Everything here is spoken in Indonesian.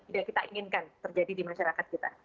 tidak kita inginkan terjadi di masyarakatnya